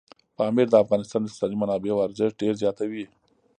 پامیر د افغانستان د اقتصادي منابعو ارزښت ډېر زیاتوي.